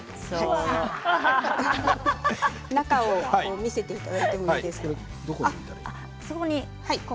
見せていただいていいですか。